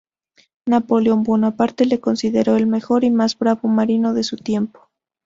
Napoleón Bonaparte le consideró el mejor y más bravo marino de su tiempo.